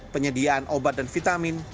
penyediaan obat dan vitamin